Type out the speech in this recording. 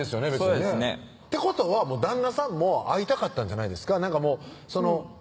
そうですねってことは旦那さんも会いたかったんじゃないですか？